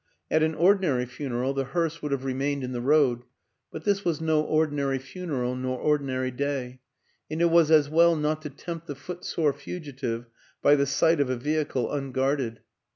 At an ordinary funeral the hearse would have remained in the road; but this was no ordinary funeral nor ordi nary day, and it was as well not to tempt the foot sore fugitive by the sight of a vehicle unguarded.